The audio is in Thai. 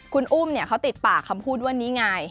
คุณอุ้มเขาติดปากคำพูดว่านี่ไง